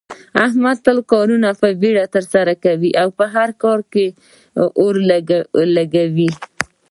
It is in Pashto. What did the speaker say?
احمد تل کارونه په بیړه ترسره کوي، په هر کار کې اور لگوي.